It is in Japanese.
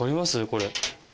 これ。